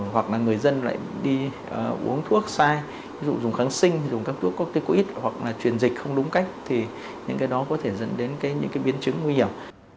hoặc là người dân lại đi uống thuốc sai ví dụ dùng kháng sinh dùng các thuốc có ít hoặc là truyền dịch không đúng cách thì những cái đó có thể dẫn đến những cái biến chứng nguy hiểm